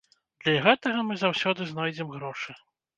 Для гэтага мы заўсёды знойдзем грошы.